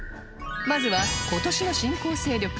まずは今年の新興勢力